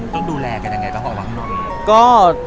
ต้องดูแลกันยังไงหรือเปล่าว่าข้างนอก